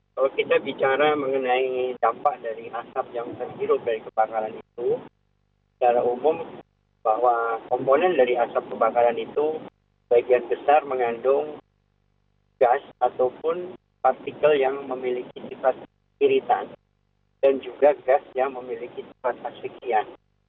kalau kita bicara mengenai dampak dari asap yang terhirup dari kebakaran itu secara umum bahwa komponen dari asap kebakaran itu bagian besar mengandung gas ataupun partikel yang memiliki sifat kiritan dan juga gas yang memiliki sifat asikian